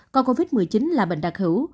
coi covid một mươi chín là bệnh đặc hữu